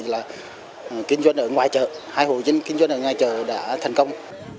hai hồ dân kinh doanh ở ngoài chợ đã thành công